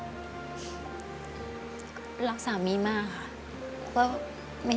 ขอบคุณครับ